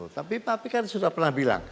tapi papi kan sudah pernah bilang